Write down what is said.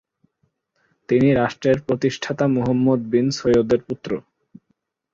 তিনি রাষ্ট্রের প্রতিষ্ঠাতা মুহাম্মদ বিন সৌদের পুত্র।